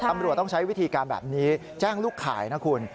ตำรวจต้องใช้วิธีการแบบนี้แจ้งลูกขายนะคุณ